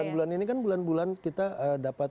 bulan ini kan bulan bulan kita dapat